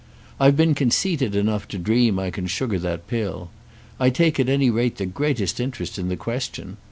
I've been conceited enough to dream I can sugar that pill. I take at any rate the greatest interest in the question.